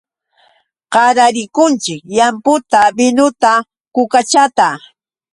Qararikunchik llamputa, binuta, kukachata.